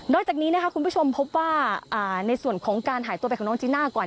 โดยจากนี้นะคะคุณผู้ชมพบว่าในส่วนของการหายตัวไปของน้องจีน่าก่อน